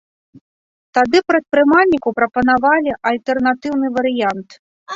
Тады прадпрымальніку прапанавалі альтэрнатыўны варыянт.